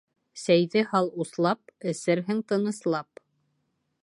Сәйҙе һал услап, эсерһең тыныслап.